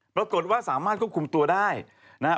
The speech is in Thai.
ปรากฏว่าสามารถควบคุมตัวได้นะฮะ